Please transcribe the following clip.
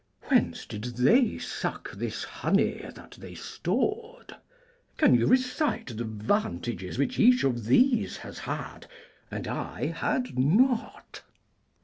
Whence did they suck This honey that they stored? Can you recite The vantages which each of these has had And I had not?